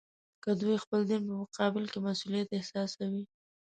که دوی د خپل دین په مقابل کې مسوولیت احساسوي.